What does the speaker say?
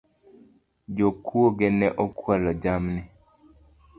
Jokuoge ne okualo jamni